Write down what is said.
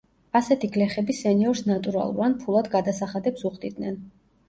ასეთი გლეხები სენიორს ნატურალურ ან ფულად გადასახადებს უხდიდნენ.